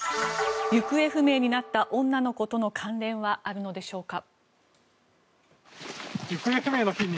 行方不明になった女の子との関連はあるのでしょうか。